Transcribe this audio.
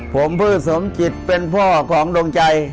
ผมชื่อสมจิตเป็นพ่อของดวงใจ